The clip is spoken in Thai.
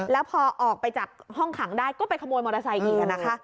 แล้วพอออกไปจากห้องขังได้ก็ไปขโมยมอเตอร์ไซค์อีกนะคะ